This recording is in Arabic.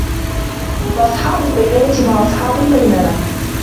فَأَصْحَابُ الْمَيْمَنَةِ مَا أَصْحَابُ الْمَيْمَنَةِ